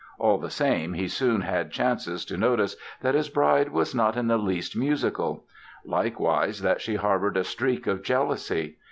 All the same, he soon had chances to notice that his bride was not in the least musical; likewise, that she harbored a streak of jealousy.